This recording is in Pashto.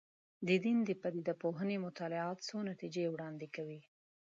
د دین د پدیده پوهنې مطالعات څو نتیجې وړاندې کوي.